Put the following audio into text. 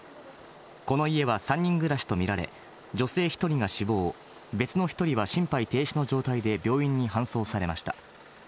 この家は３人暮らしとみられ、女性１人が死亡、別の１人は心肺停止の状態で病院に搬送されました。